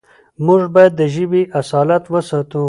موږ بايد د ژبې اصالت وساتو.